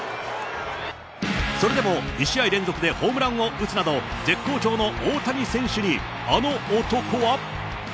それでも２試合連続でホームランを打つなど、絶好調の大谷選手に、あの男は。